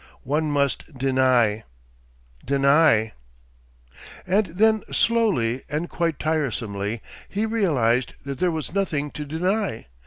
One must deny, deny.... And then slowly and quite tiresomely he realised that there was nothing to deny.